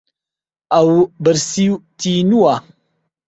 ئەو برسی و تینووە.